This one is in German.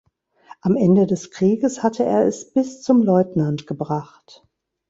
Am Ende des Krieges hatte er es bis zum Leutnant gebracht.